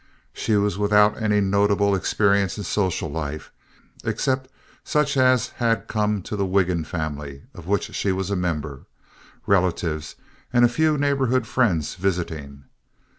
She was without any notable experience in social life, except such as had come to the Wiggin family, of which she was a member—relatives and a few neighborhood friends visiting.